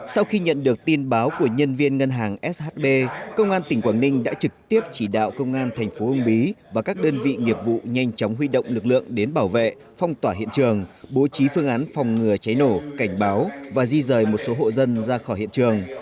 sau khi nhận được tin báo của nhân viên ngân hàng shb công an tỉnh quảng ninh đã trực tiếp chỉ đạo công an thành phố uông bí và các đơn vị nghiệp vụ nhanh chóng huy động lực lượng đến bảo vệ phong tỏa hiện trường bố trí phương án phòng ngừa cháy nổ cảnh báo và di rời một số hộ dân ra khỏi hiện trường